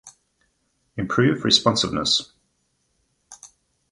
Improve responsiveness